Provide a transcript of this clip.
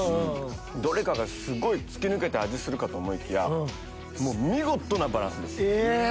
どれかがすごい突き抜けて味するかと思いきや見事なバランスです。